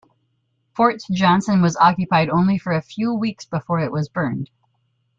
Fort Johnson was occupied only for a few weeks before it was burned.